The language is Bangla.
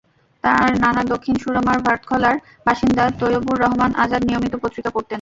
তাঁর নানা দক্ষিণ সুরমার ভার্থখলার বাসিন্দা তৈয়বুর রহমান আজাদ নিয়মিত পত্রিকা পড়তেন।